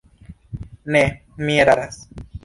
Ne, mi eraras.